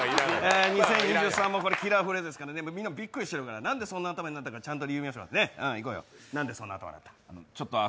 ２０２３もこれ、キラーフレーズですからね、みんなもびっくりしてるからなんでそんな頭になったか、ちゃんと理由言おう、なんでそんな頭になったの？